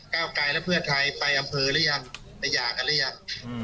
เก้าไกลและเพื่อไทยไปอำเภอหรือยังไปหย่ากันหรือยัง